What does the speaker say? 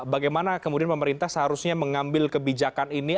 bagaimana kemudian pemerintah seharusnya mengambil kebijakan ini